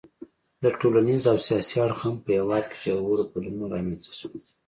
له ټولنیز او سیاسي اړخه هم په هېواد کې ژور بدلونونه رامنځته شول.